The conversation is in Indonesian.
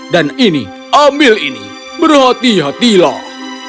dan ini ambil ini berhati hatilah